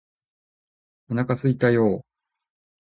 お腹すいたよーー